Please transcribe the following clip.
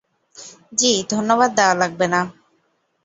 জ্বি, ধন্যবাদ দেয়া লাগবে না।